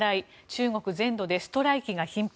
中国全土でストライキが頻発。